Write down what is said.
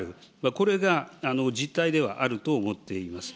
これが実態ではあると思っています。